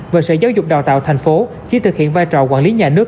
và sở giáo dục đào tạo thành phố chỉ thực hiện vai trò quản lý nhà nước